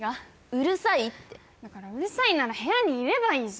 うるさいってだからうるさいなら部屋にいればいいじゃん